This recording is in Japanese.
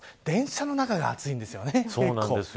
電車の中が暑いんですよね。